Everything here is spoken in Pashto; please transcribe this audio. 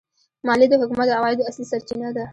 مالیه د حکومت د عوایدو اصلي سرچینه ده.